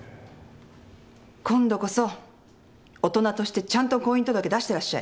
今度こそ大人としてちゃんと婚姻届出してらっしゃい。